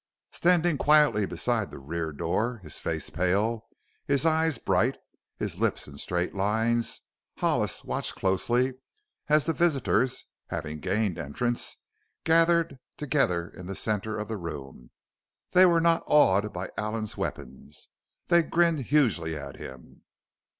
Standing quietly beside the rear door, his face pale, his eyes bright, his lips in straight lines, Hollis watched closely as the visitors, having gained entrance, gathered together in the center of the room. They were not awed by Allen's weapons; they grinned hugely at him.